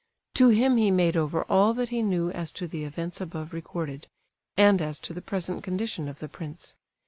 To him he made over all that he knew as to the events above recorded, and as to the present condition of the prince.